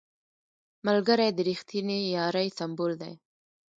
ملګری د رښتینې یارۍ سمبول دی